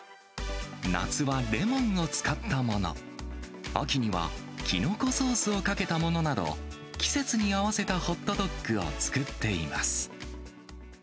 夏はレモンを使ったもの、秋にはキノコソースをかけたものなど、季節に合わせたホットドッグを作っています。